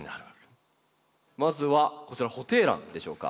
まずはこちらホテイランでしょうか。